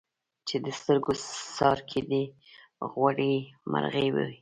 چي د سترګو څار کېدی غوړي مرغې وې